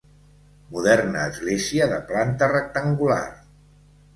Moderna església de planta rectangular.